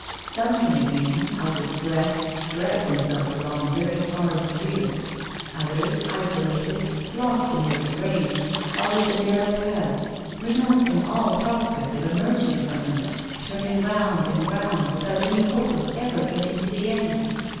Some committee men, out of breath, dragged themselves along very far in the rear; others, isolated, lost amid the frames, followed the narrow paths, renouncing all prospect of emerging from them, turning round and round without any hope of ever getting to the end!